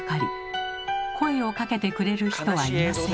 声をかけてくれる人はいません。